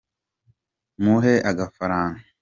Muhe agafaranga